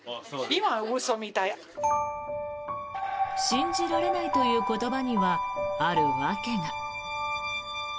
信じられないという言葉にはある訳が。